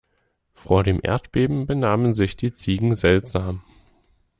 Vor dem Erdbeben benahmen sich die Ziegen seltsam.